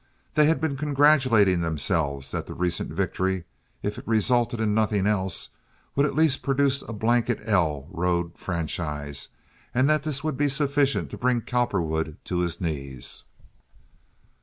They had been congratulating themselves that the recent victory, if it resulted in nothing else, would at least produce a blanket 'L' road franchise, and that this would be sufficient to bring Cowperwood to his knees.